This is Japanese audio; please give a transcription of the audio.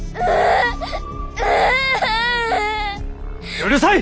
うるさい！